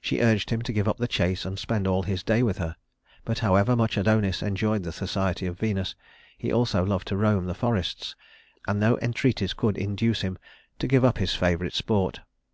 She urged him to give up the chase and spend all his day with her; but however much Adonis enjoyed the society of Venus, he also loved to roam the forests, and no entreaties could induce him to give up his favorite sport.